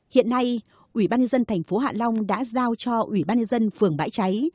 hiện nay ủy ban nhân dân thành phố hạ long đã giao cho ủy ban nhân dân phường bãi cháy